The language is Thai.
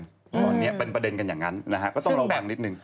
ตอนนี้เป็นประเด็นกันอย่างนั้นนะฮะก็ต้องระวังนิดนึง